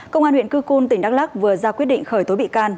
công an huyện cư cun tỉnh đắk lắc vừa ra quyết định khởi tố bị can